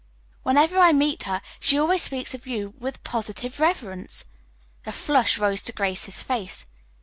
Whenever I meet her she always speaks of you with positive reverence." A flush rose to Grace's face.